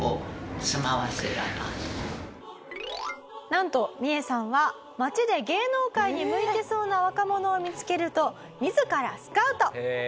なんとミエさんは街で芸能界に向いてそうな若者を見付けると自らスカウト。